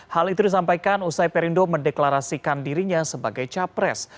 hal itu disampaikan usai perindo mendeklarasikan dirinya sebagai capres